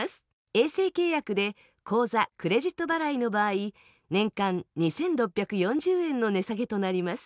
衛星契約で口座、クレジット払いの場合年間２６４０円の値下げとなります。